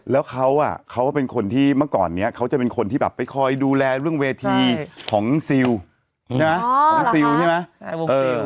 แล้วเขาอ่ะเขาก็เป็นคนที่เมื่อก่อนนี้เขาจะเป็นคนที่แบบไปคอยดูแลเรื่องเวทีของซิลใช่ไหมของซิลใช่ไหม